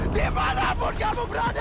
dimanapun kamu berada